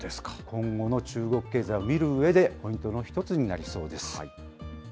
今後の中国経済を見るうえで、ポイントの１つになりそうです。